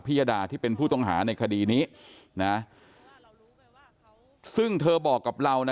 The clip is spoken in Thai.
ยดาที่เป็นผู้ต้องหาในคดีนี้นะซึ่งเธอบอกกับเรานะ